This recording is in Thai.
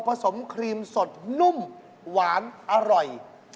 สมครีมสดนุ่มหวานอร่อย